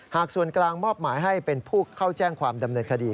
ส่วนกลางมอบหมายให้เป็นผู้เข้าแจ้งความดำเนินคดี